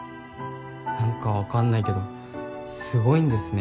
何か分かんないけどすごいんですね。